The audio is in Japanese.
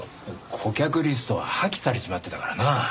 顧客リストは破棄されちまってたからな。